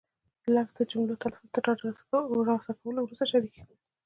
لطفا د جملو تلفظ تر ډاډ تر لاسه کولو وروسته شریکې کړئ.